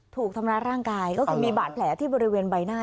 ถูกทำร้ายร่างกายก็คือมีบาดแผลที่บริเวณใบหน้า